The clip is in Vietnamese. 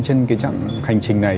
trên trạng hành trình này